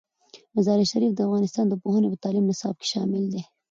مزارشریف د افغانستان د پوهنې په تعلیمي نصاب کې شامل دی.